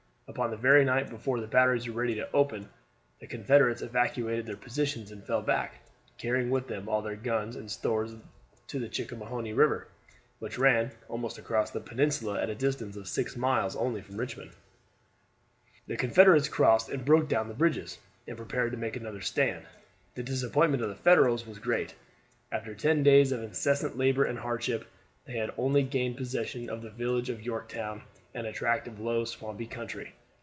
Upon the very night before the batteries were ready to open, the Confederates evacuated their positions and fell back, carrying with them all their guns and stores to the Chickahominy River, which ran almost across the peninsula at a distance of six miles only from Richmond. The Confederates crossed and broke down the bridges, and prepared to make another stand. The disappointment of the Federals was great. After ten days of incessant labor and hardship they had only gained possession of the village of Yorktown and a tract of low swampy country.